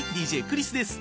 ＤＪクリスです！